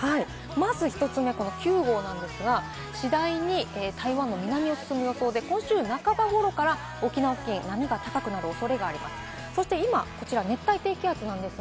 まず１つ目、９号なんですが、次第に台湾の南を進む予想で、今週半ばから沖縄付近、波が高くなる恐れがあります。